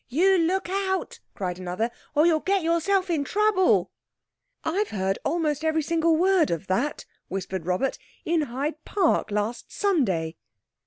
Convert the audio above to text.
"You look out," cried another, "or you'll get yourself into trouble." "I've heard almost every single word of that," whispered Robert, "in Hyde Park last Sunday!"